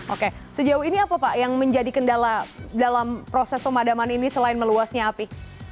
oke sejauh ini apa pak yang menjadi kendala dalam proses pemadaman ini selain meluasnya api